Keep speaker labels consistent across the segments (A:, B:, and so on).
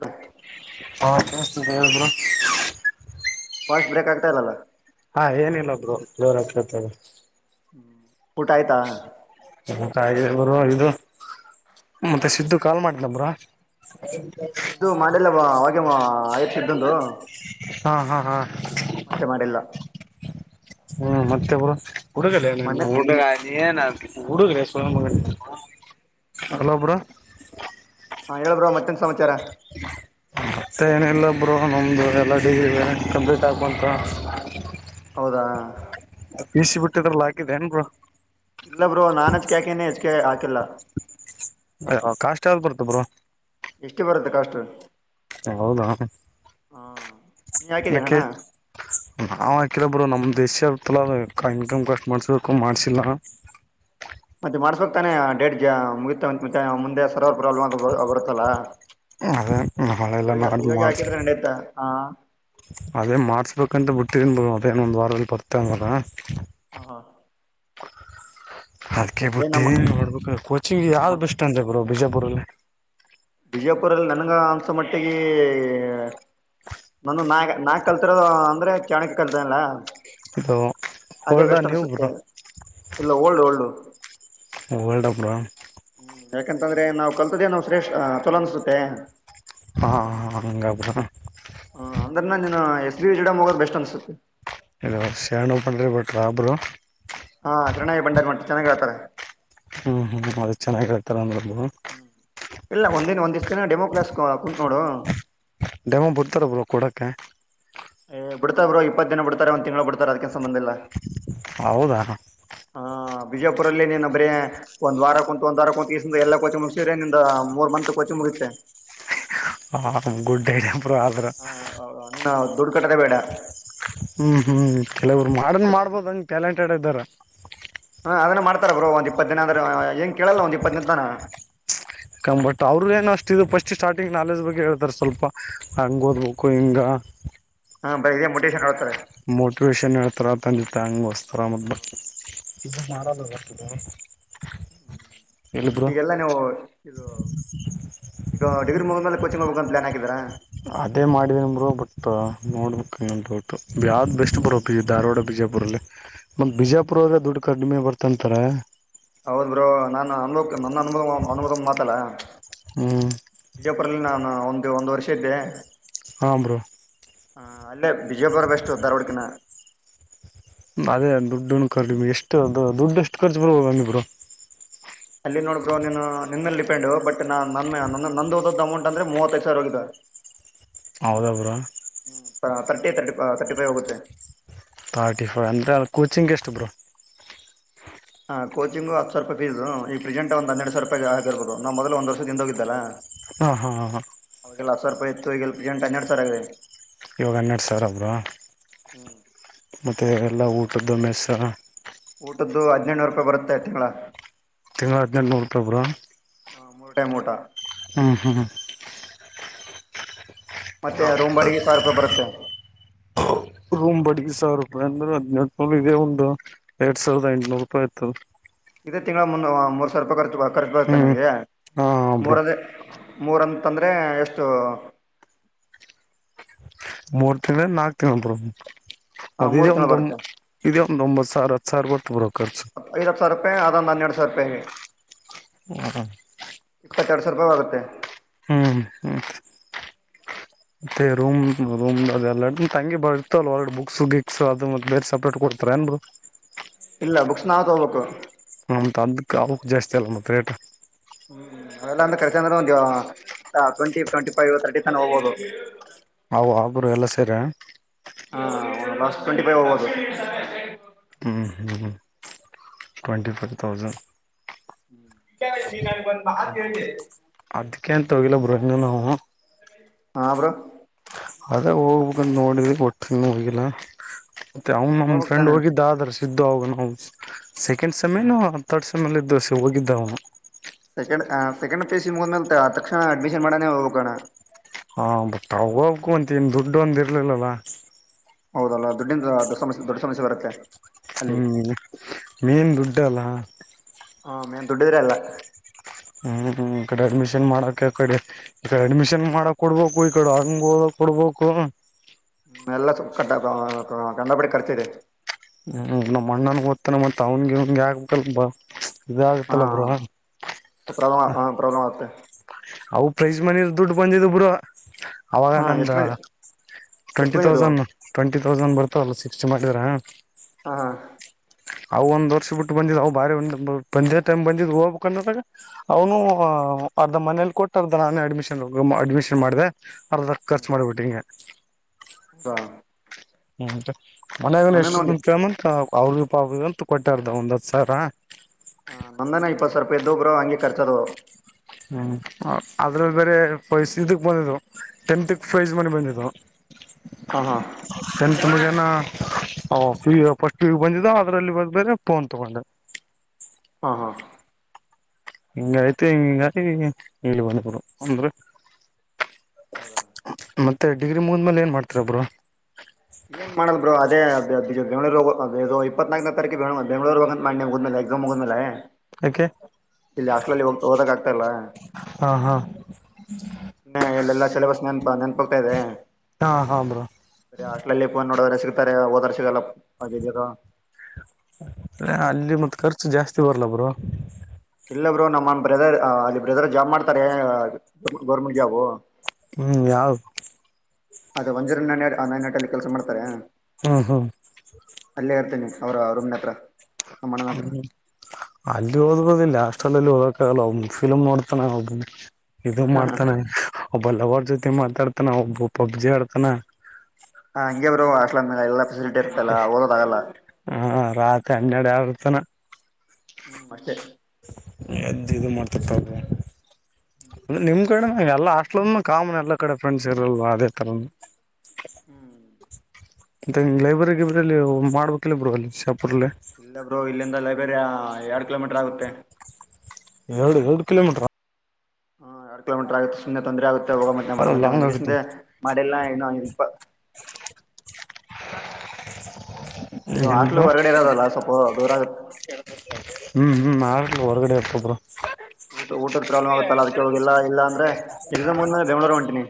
A: ಹ [inaudible]
B: ಹ ಕತರ [unintelligible]
A: boss break ಆಗ್ತ ಇಲ್ಲಲಾ
B: ಹಾ ಏನಿಲ್ಲೊಬ್ರು ಜೋರಾತ್ತ್ತ
A: ಹ್ಮ ಊಟ ಆಯ್ತಾ
B: ಬ ಇದು
A: ಹಾ
B: ಮತ್ತೆ ಸಿದ್ದು ಕಾಲ್ ಮಾಡನಬ್ರ
A: ಸಿದ್ದು ಮಾಡಿಲ್ಲ ಬಾ, ಅವಾಗೆ ಆಯ್ತು ಸಿದ್ದಂದು
B: ಹ ಹಾ ಹಾ ಹಾ
A: ಮತ್ತೆ ಮಾಡಿಲ್ಲ
B: ಹ್ಮ್ ಮತ್ತೆ ಹುಡುಗ
A: ಮೊನ್ನೆ
B: ಹುಡುಗ ಏನ ಹುಡುಗಡೆ ಸ್ ಹಲಬ್ರ
A: ಹಾಂ ಹೇಳಳ್ಬ್ರಾ ಮತ್ತೊಂದು ಸಮಾಚಾರ
B: ಮತ್ತೆ ಏನಿಲ್ಲೊಬ್ರು ನಮ್ಮದು ಎಲ್ಲ ಡಿ ಇ ಕಂಪ್ಲೀಟ್ ಆಗಬಂತ
A: ಹೌದಾ
B: ಬಿಸಿ ಬಿಟ್ಟಿದ್ರಲ್ಲಾಕಿದೆ ಏನ್ರು
A: ಇಲ್ಲ ಬ್ರೋ ನಾನ್ ಅಚ್ಕೆ ಹಾಕೆನೆ ಹೆಚ್ ಹಾಕಿಲ್ಲ
B: ಕಸ್ಟ್ ಯಾವ್ದ್ ಬರ್ತ ಬ್ರರು
A: ಎಷ್ಟು ಬರುತ್ತೆ ಕಾಷ್ಟು
B: ಹೌದಾ
A: ನೀ ಹಾಕಿದ್ದೀನ
B: ಅಕೆ
A: ಅಣ್ಣ
B: ನಾವ್ ಯಕೇಳಬರು ನಮ್ ದೇಶ ತಲ ಇನ್ಕಮ್ ಕಷ್ಟ್ ಮಾಡ್ಸಬೇಕು ಮಾಡ್ಸಿಲ್ಲ
A: ಮತ್ತೆ ಮಾಡ್ಸ್ಬೇಕಕ್ ತಾನೆ ಡೇಡ್ ಜ ಮುಗತ ಮುಂದೆ ರ ಪ್ರಾಬ್ಲಮ್ ಆದ ಬರುತ್ತಲ್ಲ
B: ಅದೇ ನಾಳೆಲ್ಲ
A: ಇವಾಗ
B: ನಾಡ್ದು
A: ಇವಾಗ
B: ಮಾಡ್ಸ
A: ಹಾಕಿದ್ರೆ ನಡೆಯತಾ ಹಾಂ
B: ಅದೇ ಮಾಡ್ಸ್ಬೇಕಂತ ಬಿಟ್ಟಿನ್ ಬ ಮದೇನ ಒಂದ್ ವಾರದಲ್ಲಿ ಬರ್ತ ಮಾರ
A: ಹ ಹಾ
B: ಅದಕ್ಕೆ
A: ಅದೇ
B: ಬಿಟ್ಟು
A: ನಮ್ಮ
B: ನೋಡ್ಬೇಕು ಕೋಚಿಂಗ್
A: ನಮ್ಮ
B: ಯಾವ್ದ್ ಬೆಸ್ ಸ್ಟ್ಯಾಂಡ್ ಗರು ಬಿಜಾಪುರಲ್ಲಿ
A: ಬಿಜಯಪುರಲ್ಲಿ ನನಗೆ ಅನ್ಸ ಮಟ್ಟಿಗೆ ನಾನ ನಾಯ ನಾು ಕಲ್ತಿರೋದು ಅಂದರೆ ಚಾಣಕ ಕಲತನಲ್ಲ
B: ಅದು
A: ಅದೇ ಬೆಸ್ ಅನ್ಸುತ್ತೆ ಇಲ್ಲ ಓಲ್ಡು ಓಲ್ಡು
B: ವರ್ಲ್ಡ್ ಅಪ್ಡ
A: ಹ್ಮ್ ಯಾಕಂತಂದ್ರೆ ನಾವು ಕಲ್ತದೆೇ ನಾ್ ಶ್ರೇಷ್ ಚಛಲ ಅನಸುತ್ತೆ
B: ಹಾ ಹಂಗಬರ
A: ಹ ಅಂದ್ರನ ನೀನ್ ಎಸ್ ಬಿ ವಿಸದಾಂ ಹೋಗೋದ ಬೆಸ್ಟ್ ಅನ್ಸುತ್ತೆ
B: ಇ ಶ್ಪ್ಪಂಡ್ರಿ ಬಟ್ ರಾಬ್ರು
A: ಹಾ ಶರಣಯ್ಯ ಭಂಡಾರಿ ಮಠ್ ಚೆನ್ನಾಗಿ ಹೇಳ್ತಾರೆ
B: ಹ್ಮ್ ಹ್ಮ್ ಅದು ಚೆನ್ನಾಗ್ ಹೇಳ್ತಾರಾ ಅಂದ್ರು ಬ್ರೋ
A: ಹ್ಮ್ ಇಲ್ಲ ಒಂದಿನ ಒಂದ್ ದಿನ ಡೆಮೋ ಕ್ಲಾಸ್ ಕುತ್ ನೋಡು
B: ಡಮ ಬಿಡ್ತಾರ ಬ್ರೋ ಕೊಡಕ್ಕೆ
A: ಬಿಡ್ತಾರೆ ಬರು ಇಪ್ಪತ್ತು ದಿನ ಬಿಡ್ತಾರೆ ಒಂದು ತಿಂಗಳು ಬಿಡ್ತಾರೆ ಅದಕ್ಕಕ್ಕೆ ಸಂಬಂಧಿಲ್ಲ
B: ಹೌದಾ
A: ಹಾ ಬಿಜಾಪುರಲ್ಲ ನೀನ ಬರೇ ಒಂದ್ ವಾರ ಕುಂತ ಒಂದ್ ವಾರ ಕುಂತಸಿಂದ ಎಲ್ಲ ಕೋಚಿ ಮುಗಸಿದ್ರೆ ನಿಂದ ಮೂರ್ ಮಂತತ್ ಕೋಚಿ ಮುಗಿತೆ
B: ಹ ಗುಡ್ ಡೈಟ್ ಇಂಪ್ರೂವ್ ಆದ್ರ
A: ಹೌದು ಇ ದುಡ್ ಕಟ್ಟ
B: ಹ್ಮ್ ಹ್ಮ್ ಕೆಲವ್ರು ಮಾಡನ್
A: ಅಷ್ಟು
B: ಮಾಡ್ಬೋದ ಹಂಗ್ ಟ್ಯಾಲೆಂಟೆಡ್ ಇದ್ದಾರ
A: ಹಾ ಅದನ್ನ ಮಾಡ್ತಾರ ಬ್ರೋ ಒ್ ಇಪ್ಪತ್ತ ದೇನ ಆದ್ರ ಏಂಗ ಕೇಳಲ್ಲ ಒಂದ್ ಇಪ್ಪತ್ತನನ
B: ಕಂಬಟ್ ಅವ್ರರುಗ್ ಏನು ಅಷ್ಟ ಇದು ಫಸ್ಟ್ ಸ್ಟಾರ್ಟಿಂಗ್ ನಾಲೆಜ್ ಬಗ್ಗೆ ಹೇಳ್ತಾರೆ ಸ್ವಲ್ಪ ಅಂಗಂಗೋದಗಕ ಎಂಗಾಗ
A: ಹಾ ಬರಿೀೇ ಮೊಟೇಶಷನ್ ಹಳ್ತಾರೆ
B: ಮೋಟಿವೇಷನ್ ಎಳ್ತರತಂದ ತಾಂಗ್ ವಸ್ತರಹಾಮದ ಬಟ್ಟ ಇದು ನಾರ ಬವತದೆ
A: ಹ್ಮ್ ಈಗೆಲ್ಲ ನೀವು ಇದು ಈಗ ಡಿಗ್ರಿ ಮುಗಿದೇಲೆ ಕೋಚಿಂಗ್ ಹೋಗಾಬೆಕಂತ ಪ್ಲಾನ್ ಹಾಕಿದಿರ
B: ಅದೇ ಮಾಡಿದಿನಿ ಬ್ರೋ ಬಟ್ ನೋಡ್ಬುಕ್ ಅಂದಬಟ್ಟು ಯಾವ್ದ್ ಬೆಸ್ಟ್ ಬ್ರೋ ಧಾರವಾಡ ಬಿಜಾಪುರಲ್ಲಿ ಮ ಬಿಜಾಪುರ್ರೆ ದುಡ್ಡು ಕಡಿಮೆ ಬರ್ತಂತರ
A: ಹೌದ್ ಬ್ರೋ ನಾನನ್ ಅನ್ೋಕ್ ನನ್ನ ಅನು ಅನುಭದ ಮಾತಲ್ಲ
B: ಹ್ಮ್
A: ವಿಜಯಪುರಲ್ಲಿ ನಾನು ಒಂದು ಒಂದು ವರ್ಷ ಇದ್ದೆ
B: ಹಾ ಬ್ರೋ
A: ಹ ಅಲ್ಲೇ ಬಿಜಯಪುರ ಬೆಸ್ಟ್ ಧಾರ್ವಾಡಕಿನ
B: ಅದೇ ದುಡ್ಡ ಕರ್ ಎಷ್ಟುದು ದುಡ್ಡು ಎಷ್ಟು ರ್ಚ್ ಬಿಡ್ಬೋದುಂದ ಇಬ್ರು
A: ಅಲ್ಲಿ ನೋಡಬೋ ನೀನು ನಿನ್ ಮೇಲೆ ಡಿಪೆಂಡ್ ಬಟ್ ನಾ ನ ನ ನಂದು ಹದ ಅಮೌಟ್ ಅಂದ್ರೆ ಮೂವೈದು ಸಾವರ ಹೋಗ
B: ಹೌದ ಬ್ರೋ
A: ಹ್ಮ ತರ್ಟಿ ತರ್ಟಿ ತರ್ಟಿ ಫೈವ್ ಹೋಗುತ್ತೆ
B: ಥಾರ್ಟಿ ಫೈವ್ ಅಂದರೆ ಅಲ್ಲಿ ಕೋಚಿಂಗ ಎಷ್ಟು ಬ್ರೋ
A: ಚೋಚಿಂಗ್ ಹತ್ತುಸಾವೆರಾ ರಪಾ ಫೀಸ ಈ ಪ್ರೆಂಟ್ ಒಂದು ಹೆರ ಸಾವಿ ರೂಪ ಆಗಿಬೋದು ನಾ ಮೊದಲು ಒಂದು ವರ್ಷದಿಂದ ಹೋಗಿದ್ದಲ್ಲ
B: ಹಾ ಹಾ ಹಾ ಹಾ
A: ಅವ್ರರಿಗೆಲ್ಲ ಹತಾವೆರಾ ರೂಪಾಯಿತ್ತು ಈಗಲ್ಲಿ ಪ್ರಜಂಟ್ಟನ್ನರಡು ಸರ್ ಆಿದೆ
B: ಯೋಗನ್ನಡ್ಸರ್ ಒಬ್ರು
A: ಹ್ಮ್
B: ಮತ್ತೆ ಎಲ್ಲ ಊಟದ್ದು ಮೆಸ್ಸಾ
A: ಊಟದು ಹದಿನೇಳುನೂರು ರೂಪಾಯಿ ಬರುತ್ತ ತಿಂಗಳ
B: ತಿಂಗಳ ಹಡ್ನೆಂಟ್ ನುರುಪಾಯ ಬ್ರೋ
A: ಮುರೂ ಟೈಮ್ ಊಟ
B: ಹಾ ಹಾ ಹಾ
A: ಮತ್ತೆ ರೂಂ ಬಡಿಗೆ ಸಾವರ ರೂಪಾಯಿ ಬರುತ್ತೆ
B: ರೂಮ್ ಬಡ್ಗ್ ಸಾವಿರ ರೂಪಾಯಿ ಅಂದ್ರೆ ಹದಿನೆಂ ನ ಇದೆ ಒಂದು ಎರಡ್ ಸಾವಿರದ ಎಂಟಟ್ನೂರು ರೂಪಾಯಿ ಆಯತದ
A: ಇದೇ ತಿಂಗಳ ಮುನ್ನ ಮೂರ್ ಸಾವಿರ ರೂಪಾಯಿ ಖರ್ಚು ಬರ್ತ್ತೆ
B: ಹ್ಮ್
A: ನಂಗೆ
B: ಹಾ ಬ್ರೋ
A: ಮೂರದೇ ಮೂರಂತಂದರೆ ಎಷ್ಟು
B: ಮೂರ್ ತಿಂಗಳು ನಾಕು ತಿಂಗ್ಲೀ ಬ್ರೋ ಮದ್
A: ಮೂರು
B: ಇದೇ
A: ತಿಂಗಳು
B: ಒಂದ
A: ಬರುತ್ತೆ
B: ಇದೇ ಒಂದ ಒಂಬತ್ತು ಸಾವಿರ ಹತ್ತ್ತು ಸಾವಿರ ಬರ್ತ ಬರೋ ಖರ್ಚು
A: ಐಡ್ ಹತ್ತು ಸಾವಿ ರೂಪಾಯ ಅದಂದು ಹನ್ನೆಡು ಸಾವಿ ರೂಪಾಯಿಗೆ
B: ಹ [inaudible]
A: ಇಪ್ಪೆರಡು ಸಾವಿರ ರೂಪಿದೊಲಗಾಗುತ್ತೆ
B: ಹ್ಮ್ ಹ್ಮ್
A: [unintelligible]
B: ಮತ್ತೆ ರೂಮ್ ರೂಮ್ ಅದೆ ಎರಡ ತಂಗಿ ಬರ್ತ ಹೊಗಡೆ ಬುಕ್ಸ್ ಬಿಕ್ಸ್ ಅದು ಮತ್ತೆ ಬೇರೆ ಸಪ್ರೇಟ್ ಕೊಡ್ತಾರ ಏನ್ದು
A: ಹ [inaudible] ಇಲ್ಲ ಬುಕ್ಸ್ ನಾವವು ತಗಬೇಕು
B: ಮತ್ ಅದಕ್ ಅವಕ್ ಜಾಸ್ತಿ ಅಲ್ಲ ಮತ್ತತ್ ರೇಟ್
A: ಹ್ಮ್ೆಲ್ಲ ಅ್ರ ಖರ್ಚ ಅಂದ್ರ ಒಂದು ಟ್ವೆಂಟಿ ಟ್ವೆಂಟಿ ಫೈವ್ ತರ್ಟಿ ತ ಹೋಗಬಹುದು
B: ಹ ಒಬ್ರು ಎಲ್ಲ ಸೇರ
A: ಹ ಲಾಸ್ಟ್ ಟ್ವೆಂಟಿ ಫೈವ್ ಹರ್ದು [unintelligible]
B: ಹ್ಞೂ ಹ್ಞೂ ಹ್ಞೂ ಟ್ವೆಂಟಿ ಫೈವ್ ತಥೌಸಂಡ್
A: ಹ್ಮ್ ನೀ ನ ಬಂದ
B: ಅದ್ಕ್ಕೆ ಅದ್ಕ ಅಂತ ತೋಗಿಲ್ಲ ಬರು ಹೆಂಗ ನಾವು
A: ಹಾಂ ಬ್ರೋ
B: ಅದೇ ಹೋಗ್ಬೇಕಂತ ನೋಡಿದ ಒಟ್ಟ ಹೋಗಿಲ್ಲ ಮತ್ತೆ ಅವ್ ನಮ್
A: ಹೋಗ್ಬೇಕ್
B: ಫ್ರೆಂಡ್
A: ತಾನೆ
B: ಹೋಗಿದ್ದಾದರ್ಸ ಇದ್ದು ಅವನು ಸೆಕೆಂಡ್ ಸೆಮೆನು ತರ್ಡ್ ಸೆಮ ಅಲ್ಲಿ ಇದ್ದು ಹೋಗಿದ್ದ ಅವನು
A: ಸೆಕಂಡ್ ಸೆಕಂಡ್ ೇಸ್ಿಮ್ಗಂದ್ಮೇಲೆ ತಕ್ಷಣ ಅಡ್ಮಿಷನ್ ಮಾಡನೇ ಹೋಗ್ಕೋಣ
B: ಹಾ ಬಟ್ ಅವೋಗಬೇಕು ಅಂತ ನ್ ದುಡ್ಡು ಒಂದ ಇರ್ಲಿಲ್ಲಲ್ಲ
A: ಹೌದಲ್ಲ ದದುಡ್ಡಿಂದ ಸಮಸ್ಯೆ ದೊಡ್ಡ ಸಮಸ್ಯೆ ಬರುತ್ತೆ ಅಲ್ಲಿ
B: ಹ್ಮ್ ಮೀನ್ ದುಡ್ಡ ಅಲ್ಲಾ
A: ಹ ಮೇನ್ ದುಡ್ಡಿದ್ರ ಅಲ್ಲ
B: ಹ ಕಡೆ ಅಡ್ಮಿಷನ್ ಮಾಡೋಕ್ಕೆ ಕಡೆ ಈ ಅಡ್ಮಿಷನ್ ಮಾಡಕ್ ಕೊಡ್ಬೇಕು ಈ ಕಡೆ ಅಂಗ ಹೋದಕ್ ಕೊಡ್ಬೇಕು
A: ಎಲ್ಲ ಕಟ್ಟ ಕಂಡ ಪಟ್ಟ ಕರ್ತಿದೆ
B: ಹ್ಮ್ ನಮ್ಮ್ ಅಣ್ಣನ್ ಗೊತ್ತ ಮತ್ತ ಅವನ್ಿಗೆಗೆ ಆಗ್ಬೇಕಲ್ ಬಾ
A: ಹಾ
B: ಇದಾಗತ್ತಲ್ಲ ಬರ
A: ಪ್ರಾಬ್ಲಮ್ ಹಾ ಪ್ರಾಬ್ಲಮ್ ಆಗುತ್ತೆ
B: ಅವು ಪ್ರೈಜ್ ಮನಿ ದುಡ್ಡು ಬಂದಿದ ಬುರ ಅವಾಗ
A: ಹಾ ಎಷ್ಟು
B: ನಂದು
A: ಮಂದಿ ಎಷ್ಟು
B: ಟ್ವೆಂಟಿ
A: ಮಂದಿ ಅದು
B: ತೌಸಂಡ್ ಟ್ವೆಂಟಿ ತೌಸಂಡ್ ಬರ್ತವಲ್ಲ ಸಿಕ್ಸ್ಟಿ ಮಾಡಿದರಾ
A: ಹಾ ಹಾ
B: ಅವು ಒಂದ್ ವರ್ಷ ಬಿಟ್ಟು ಬಂದಿದ್ ಅವು ಬಾರಿ ಒಂದ ಬಂದೆ ಟೈಮ್ ಬಂದಿದ್ ಹೋಗ್ ಕನ್ನಾಗ ಅವನು ಅರ್ಧ ಮನೇಲಿ ಕೊಟ್ಟ ಅರ್ಧಾನೇ ಅಡ್ಮಿಷನ್ ಅಡ್ಮಿಷನ್ ಮಾಡಿದೆ ಅರ್ಧ ಖರ್ಚು ಮಾಡ್ಬಿಟ್ರಿಗೆ
A: ಹಾ
B: ಹ್ಮ್ ಮನ್ಯಾಗ
A: ನಂದೇನ ಒಂದು
B: ಎಷ್ಟಂ ಕಮ್ಮನ್ ಹ ಅವ್ರ ಭ ಪಾಪ ಅಂತ ಕೊಟ್ಟಾರ್ದ ಒಂದತ್ ಸರ
A: ಹ ನಂದಾನೇ ಇಪ್ಪತ್ತುಾವಿ ರೂಪಾಯಿ್ದೋಗರು ಹಂಗೆ ರ್ಚೋದು
B: ಹ್ಮ್ ಅದ್ರಲ್ಲಿ ಬೇರೆ ಪರಿಸ್ ಇದಕ್ ಬಂದು ಟೆಂತ್ಕ್ ಪ್ರೈಸ್್ ಮನೆಿ ಬಂದಿದ್ದು
A: ಹಹಾ
B: ಎಂ ತುಮ ಜನಫೀ ಫಸ್ಟ್ ೀ ಬಂದಿದ ಅದ್ರಲ್ಲಿ ಬ ಬೇರೆ ಫೋನ್ ತಗೊಂಡೆ
A: ಹಾ ಹಾ
B: ಹಿಂಗ ಐತಿ ಹಿಂಗ ಳ ಬಣಪುರು ಅಂದ್ರೆ
A: ಹೌದಾ
B: ಮತ್ತೆ ಡಿಗ್ರಿ ಮುಂದ್ಮೇಲೆ ಏನ್ ಮಾಡ್ತಾರ ಒಬ್ರು
A: ಏನ್ ಮಾಡಲ್ ಬ್ರೋ ಅದೇ ಬೆಂಗಳೂರು ಇಪ್ಪತ್ನಾಲ್ಕನೇ ತಾರೀು ಬೆಂಗಳೂರು ಹೋಗ್ ಮಾಡಿಮ ಮುದ್ೇ ಮುಗ್ಮೇಲೆ
B: ಯಾಕೆ
A: ಇಲ್ಲಿ ಹಾಸ್ಟೆಲಲ್ಲಿ ಹೋಗ ಓದಕ ಆಗ್ತ ಇಲ್ಲ
B: ಹಾ ಹಾ
A: ಇ ಎಲ್ಲೆಲ್ಲಾ ಸಿಲೆಬಸ್ ನೆನ್ಪಾ ನೆನ್ಪ ಹ್ತಾ ಇದೆ
B: ಹಾಂ ಹಾ ಬ್ರೋ
A: ಬ ಹಾಸ್ಟ್ಲ್ಲಿ್ ನೋಡಿದ್ರೆ ಸಿಗ್ತಾರೆ ಹೋದಾರ್ ಸಿಲ್ಲ ಆ
B: ಅ ಅಲ್ಲಿ ಮತ್ತತ್ ಖರ್ಚು ಜಾಸ್ತಿ ಬರಲ ಬರು
A: ಇಲ್ಲಬ್ರು ನಮ್ಮ ಬ್ರದರ್ ಅಲ್ಲಿ ಬ್ರದರ್ ಜಾಬ್ ಮಾಡ್ತಾರೆ ಗೌರ್ಮೆಂಟ್ ಜಾಬು
B: ಹ್ಮ್ ಯಾವ
A: ಅದೇ ಒಂಜೂರು ನ ನ ನಟಲ್ಲಿ ಕೆಲಸ ಮಾಡ್ತಾರೆ
B: ಹಾ ಹಾ
A: ಅಲ್ಲೇ ಹರ್ತೀನೆ ಅವ್ರ ರೂಮ್ನ ಹತ್ರ ನಮ್ಮ ಅಣ್ಣನ ಹತ್ರ
B: ಹ್ಮ್ ಅಲ್ಲಿ ಹೋದದಲ್ಲ ಅಷ್ಟಲ್ಲಲ್ಲಿೋದಕ್ಕಳಫಿ್ ನೋಡ್ತನ ಆುದು ಇದು ಮಾಡ್ತಾನ ಒಬ್ಬಲ್ಲವಾರ್ ಜೊತೆ ಮಾತಾಡ್ತಾನ ಒಬ್ಬ ಪಬ್ಜಿ ಆಡ್ತಾನ
A: ಹ ಹಂಗೆ ಬರೋ ಹ ಆಸ್ಟ್ಲ್ ಮೇಲೆ ಎಲ್ಲ ೆಸಿಲಿಟಿ ಇತಲ್ಲಓದಾಗಲ್ಲ
B: ಹಾ ರಾತ್ರಿ ಹನ್ನೆಡೆ ಆರ್ತನ
A: ಹ್ಮ್ ಮಷ್ಟೆ
B: ಎದ್ದು ಇದು ಮಾಡ್ತಟ್ಟ ಅ ನಿಮ್ ಕಡೆ ಎಲ್ಲ ಹಾಸ್ಟ್ಲ ಕಾಮನ್ ಎಲ್ಲಾ ಕಡೆ ಫ್ರೆಂಡ್ಸ್ ಇರಲ್ವಾ ಅದೇ ತರ
A: ಹ್ಮ್
B: ಮ್ ಲೈಬ್ರಗೆ ಇಬ್ರಲ್ಲಿ ಮಾಡ್ಬೇಕ ಬರುಲ್ಲಿ ಶಾಪುರ್ಲ್ಲಿ
A: ಇಲ್ಲಬ್್ರರು ಇಲ್ಲಿಂದ ಲೈಬ್ರರಿ ಎರಡ್ ಕಿಲೋಮೀಟರ್ ಆಗುತ್ತೆ
B: ಎರಡು ಎರಡು ಕಿಲೋಮೀಟರ
A: ಹ್ಮ ಎರಡ್ ಕಿಲೋಮೀಟರ್ ಆಗುತ್ತೆುನೆ ತೊಂದರೆ ಆಗೆ ಹೋಗ ಮ ಬ
B: ಅ
A: ಮಂದಂಗ
B: ಲಾಂಗ್
A: ಅಂದಕ್ಕೆ
B: ಆಗುತ್ತೆ
A: ಸಿಂದೆ ಮಾಡೆಲ್ಲ ಏ ಇದು
B: ಏನ್
A: ಹಾಟ್ಲು
B: ಬ್ರೋ
A: ಹೊಗಡೆ ಇರೋದಲ್ಲ ಸ್ವಲ್ಪ ದೂರ ಆಗುತ್ತೆ
B: ಹ್ಮ್ ಹ್ಮ್ ಮಾಡ ಹೊರ್ಗಡೆ ಹಕಬರು
A: ಊಟ ಊಟದ ಪ್ರಾಬ್ಲ್ ಆಗತ್ತಲ್ಲ ಅದಕ್ಕೆ ಹೋಗೆಲ್ಲ ಅಂದ್ರೆ ಎಕ್ಸಾಮ್ ಮುಂದೇ ಬೆ್ಳೂರು ಹೊಂಟಿನಿ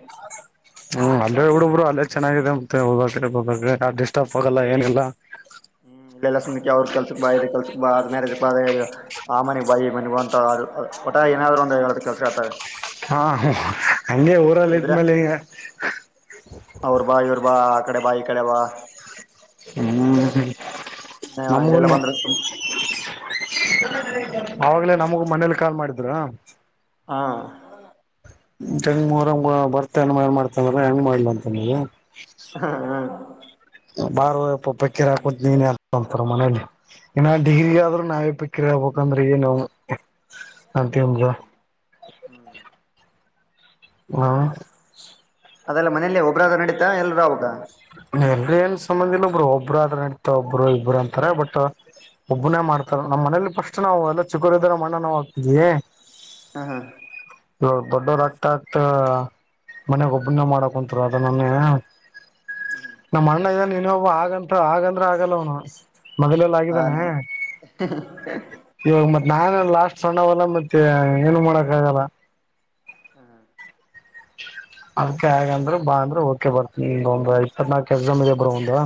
B: ಹ್ಮ್ ಅಲ್ಲ್ರೇ ಹುಡುಬ್ರು ಅಲ್ಲೇ ಚೆನ್ನಾಗಿದೆ ಮತ್ತೆ ಹೋಗ್ರ ಡಿಸ್ಟರ್ಬ್ ಆಗಲ್ಲ ಏನಿಲ್ಲಾ
A: ಹ್ಮ್ಲಕ್ಷ್ಮಕ್ಕೆ ಅವ್ರ ಕೆಲ್ಸಕ್ಕೆ ಬ ಕೆಲ್ಸಕ್ಕೆ ಬ್ ಮ್ಯಾರೇಜ ಬ ಆ ಮನಿಗ್ ಬಾ ಈಮನಿಗೆ ಅಂತ ಒಟ ಏನಾದ್ರು ಒಂದು ಹೇಳ ಕೆಲ್ಸ ಹೇಳಿತಾರೆ
B: ಹಾ ಹಂಗೆ ಊರಲ್ಲಿ ಇದ್ದಮೇಲೆ ಈಗ
A: ಅವ್ರ ಬಾ ಇವ್ರ ಬಾ ಆ ಕಡೆ ಬಾ ಈ ಕಡೆ ಬಾ
B: ಹ್ಮ್
A: ಇಲ್ಲೆಲ್ಲ
B: ನಮಗುನು
A: ಬಂದ್ರೆ ತುಂ
B: ಅವಾಗ್ಲೇ ನಮಗು ಮನೇಲಿ ಕಾಲ್ ಮಾಡಿದ್ರ
A: ಹಾ
B: [unintelligible] ಬರ್ತ ಏನ್ ಮಾಡ್ತ ಅ್ರ ಹೆಂಗ್ ಮಾಡ್ಲ ಅಂತ ಹೇಳಿ
A: ಹಾ ಹಾ
B: ಬಾರಪ್ಪ ಯಪ್ಪಾ ಪಕ್ಕಿರ ಹಾಕುದ ನೀನೇ ಅಂತಾರ ಮನೇಲಿ ಏನ ಡಿಗ್ರಿ
A: ಹೌದಾ
B: ಆದ್ರರು ನಾವೇ ಪಕ್ಕಿರಿ ಹಗ್ಬೇಕ ಅಂದ್ರೆ ಏನು ಅಂತಂದ್ರ
A: [inaudible]
B: ಹ್ಮ
A: ಅದೆಲ್ಲ ಮನೇಲ್ಲೇ ಒಬ್ಬರಾದ ನಡೀತ ಎಲ್ಲರು ಹೋಗಬೇಕ
B: ಎಲ್ರ ಏನ್ ಸಂಬಂಧ ಇಲ್ಲ ಬ್ರೋ ಒಬ್ಬರು ಆದ್ರ ನೆಡಿತಾದ ಪರವಾಗಿಲ್ಲ ಬಿಡು ಅಂತಾರ ಬಟ್ ಒಬ್ಬನೇ ಮಾಡ್ತಾರ ನಮ್ಮ್ ಮನೇಲಿ ಫಸ್ಟ್ ನಾವು ಎಲ್ಲ ಚಿಕ್ಕೋರು ಇದ್ದಾಗ ನಮ್ಮ್ ಅಣ್ಣ ನಾ ಹೋಗ್ತಿದೀವಿ
A: ಹಾ ಹಾ
B: ಈವಾಗ ದೊಡ್ಡವರು ಆಗ್ತಾ ಆಗ್ತಾ ಮನೆಗ್ ಒಬ್ಬನ ಮಾಡಕ ಕುಂತರ ಅದು ನನ್ನೇ ನಮ್ಮ ಅಣ್ಣ ಇದ ನೀನ್ ಒಬ್ಬ ಆಗಂತ ಆಗಂದ್ರ ಆಗಲ್ಲ ಅವನು ಮೊದಲೆಲ್ಲ
A: ಹ
B: ಆಗಿದ್ದಾನೆ ಇವಾಗ ಮತ್ ನಾನ ಲಾಸ್ಟ್ ಸಣ್ಣವಲ್ಲ ಮತ್ತೆ ಏನು ಮಾಡಕ್ ಆಗಲ್ಲ
A: [inaudible] [inaudible]
B: ಅದಕ್ಕ ಹಾಗಂದ್ರ ಬಾ ಅಂದ್ರೆ ಓಕೆ ಬರ್ತಿನೀ ಒಂದ್ ಇಪ್ಪತ್ ನಾಲ್ಕಕ್ ಎಕ್ಸಾಮ್ ಇದೆ ಬ್ರೋ ಒಂದು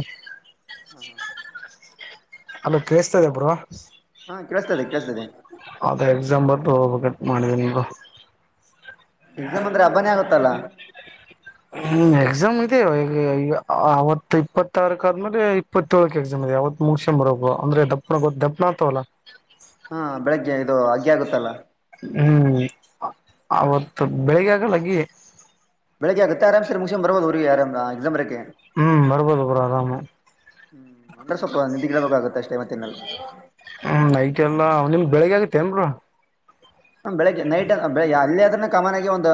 A: [inaudible]
B: ಹಲೋ ಕೇಳಿಸ್ತಾಯಿದಿಯ ಬ್ರೋ
A: ಹಾ ಕೇಳಿಸ್ತದೆ ಕೇಳಿಸ್ತಾದೆ
B: ಅದ ಎಕ್ಸಾಮ ಬರ್ದ್ ಹೋಗಬೇಕು ಅಂತ ಮಾಡೀನೀ ಬ್ರೋ
A: ಎಕ್ಸಾಮ್ ಅಂದ್ರೆ ಹಬ್ಬನೇ ಆಗುತ್ತಲ್ಲ
B: ಹ್ಮ್ ಎಕ್ಸಾಮ್ ಇದೆ ಈ ಅವತ್ತು ಇಪ್ಪತ್ತಾರಕ್ ಆದ್ಮೇಲೆ ಇಪತ್ತು ಏಳಕ್ಕೆ ಎಕ್ಸಾಮ್ ಇದೆ ಆವ್ತು ಮುಗಿಸ್ಕೊಂಡು ಬರಬೇಕು ಅಂದ್ರೆ ದಪನ್ನಾ ಆಗ್ತಾವಲ್ಲ
A: ಹಾ ಬೆಳಿಗ್ಗೆ ಇದು ಅಗ್ಗೆ ಇರುತ್ತಲ್ಲ
B: ಹ್ಮ್ ಅವತ್ತು ಬೆಳಿಗ್ಗೆ ಆಗಲ್ಲ ಲಾಗ್ಗಿ
A: ಬೆಳಗ್ಗೆ ಆದ್ರೆ ಆರಾಮಸೆ ಮುಗಿಸ್ಕೊಂಡು ಬರ್ಬಹುದು ಊರಿಗೆ ಎಕ್ಸಾಮ್ ಬರಿಯೋಕೆ
B: ಹ್ಮ್ ಬರ್ಬೋದು ಬ್ರೋ ಆರಾಮ್
A: ಹ್ಮ್ ಅಂದ್ರೆ ಸ್ವಲ್ಪ ನಿದ್ದೆಗಿಡಬೇಕಾಗುತ್ತೆ ಅಷ್ಟೇ ಮತ್ತೆ ಏನಿಲ್ಲ
B: ಹ್ಮ್ ನೈಟ್ ಎಲ್ಲಾ ನಿಮ್ ಬೆಳಿಗ್ಗೆ ಆಗತ್ತೇ ಏನ್ ಬ್ರೋ
A: ಹ ಬೆಳಗ್ ನೈಟ್ ಬೆಳಗ್ಗೆ ಅಲ್ಲಿ ಆದ್ರೆ ಕಾಮಾನಾಗಿ ಒಂದು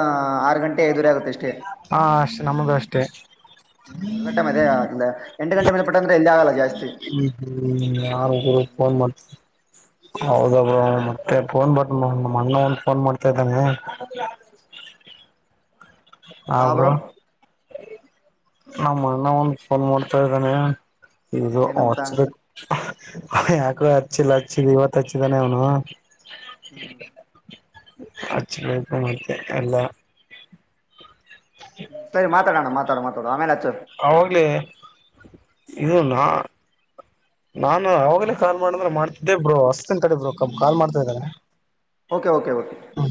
A: ಆರ್ ಗಂಟೆ ಎದುರು ಆಗುತ್ತೆ ಅಷ್ಟೇ
B: ಹಾ ಅಷ್ಟೇ ನಮ್ಮದು ಅಷ್ಟೇ
A: ಹ್ಮ್ ಎಲ್ಲ ಟಮ್ ಅದೆೇ ಅಲ್ಲ ಎಂಟಗಂಟೆ ಮೇಲೆ ಪಟ್ಟ ಅಂದೆ ಎಲ್ಲಿ ಆಗಲ್ಲ ಜಾಸ್ತಿ
B: ಹ್ಮ್ ಆಗಲ್ಲ ಫೋನ್ ಮಾಡ್ತಿನೀ ಹೌದ ಬ್ರೋ ಮತ್ತೆ ಫೋನ್ ಬಟ್ ನಮ್ಮ ಅಣ್ಣ ಒಂದ್ ಫೋನ್ ಮಾಡ್ತಾ ಇದ್ದಾನೆ [inaudible] ಹ ಬ್ರೋ ನಮ್ಮ ಅಣ್ಣ ಒಂದು ಫೋನ್ ಮಾಡ್ತಾಯಿದ್ದಾನೆ ಇದು
A: ಏನಂತ
B: ಹಚ್ಚ ಯಾಕೋ ಹಚ್ಚಿಲ್ಲ ಹಚ್ಚಿಲ್ಲ ಇವತ್ ಹಚ್ಚಿದಾನೆ ಅವನು
A: ಹ್ಮ್
B: ಹಚ್ಚಬೇಕತ್ತೆ ಎಲ್ಲ
A: ಹ್ಮ್ ಸರಿ ಮಾತಾಡಣ ಮಾತಾಡು ಮಾತಾಡು ಆಮೇಲೆ ಹಚ್ಚರ್
B: ಆಾಗ್ಲೇ ಇದದು ನಾ ನಾನು ಅವಾಗಲೇ ಕಾಲ್ ಮಾಡಂದ್ರೆ ಮಾಡ್ತಿದ್ದೆ ಬ್ರೋ ಹಸ್ಸನ್ ಕಡೆ ಬ್ರ ಕ ಕಾಲ್ ಮಾಡ್ತಾ ಇದಾನ
A: ಓಕೆ ಓಕೆ ಕೆ
B: ಹಾ